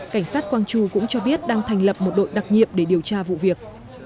cảnh sát gwangju cũng cho biết đang thành lập một đội đặc nhiệm để điều tra vụ việc